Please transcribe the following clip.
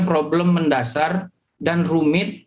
problem mendasar dan rumit